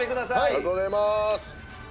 ありがとうございます。